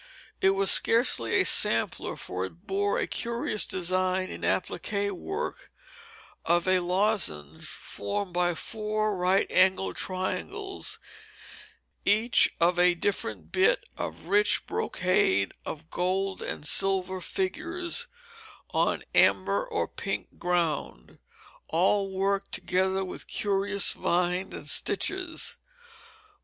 It was scarcely a sampler for it bore a curious design in applique work of a lozenge formed by four right angled triangles, each of a different bit of rich brocade of gold and silver figures on amber or pink ground; all worked together with curious vines and stitches.